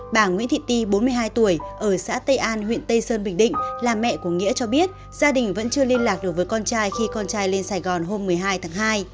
bà nguyễn thị ti bốn mươi hai tuổi ở xã tây an huyện tây sơn bình định là mẹ của nghĩa cho biết gia đình vẫn chưa liên lạc được với con trai khi con trai lên sài gòn hôm một mươi hai tháng hai